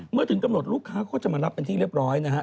เมื่อถึงกำหนดลูกค้าก็จะมารับเป็นที่เรียบร้อยนะฮะ